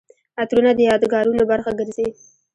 عطرونه د یادګارونو برخه ګرځي.